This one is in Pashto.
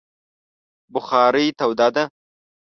بخارۍ توده ده